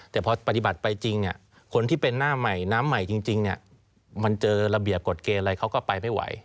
แต่พอปฏิบัติไปจริงคนที่เป็นหน้าใหม่น้ำใหม่จริงมันเจอระเบียบกฎเกณฑ์อะไรเขาก็ไปไม่ไหว